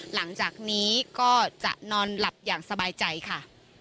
หลังจากนี้ก็จะนอนหลับอย่างสบายใจค่ะ